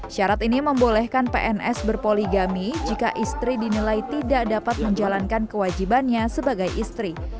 syarat ini membolehkan pns berpoligami jika istri dinilai tidak dapat menjalankan kewajibannya sebagai istri